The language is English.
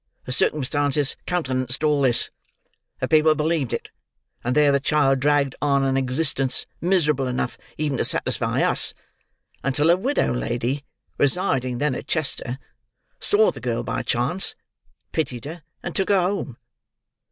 The circumstances countenanced all this; the people believed it; and there the child dragged on an existence, miserable enough even to satisfy us, until a widow lady, residing, then, at Chester, saw the girl by chance, pitied her, and took her home.